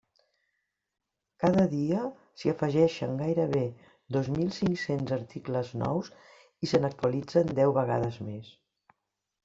Cada dia, s'hi afegeixen gairebé dos mil cinc-cents articles nous, i se n'actualitzen deu vegades més.